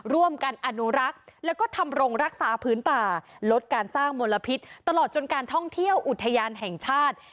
ร่วมกันอนุรักษ์แล้วก็ทำรงรักษาพื้นป่าลดการสร้างมลพิษตลอดจนการท่องเที่ยวอุทยานแห่งชาติ